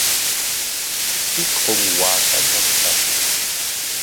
Isqun waakallam kapun.